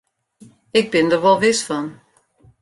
Ik bin der wol wis fan.